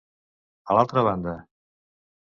A l'altra banda.